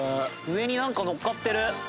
上に何か載っかってる。